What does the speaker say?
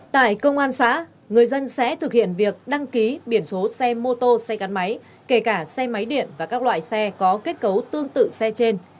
tại công an xã người dân sẽ thực hiện việc đăng ký biển số xe mô tô xe gắn máy kể cả xe máy điện và các loại xe có kết cấu tương tự xe trên